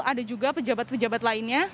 ada juga pejabat pejabat lainnya